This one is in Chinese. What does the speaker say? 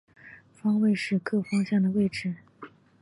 方位是各方向的位置。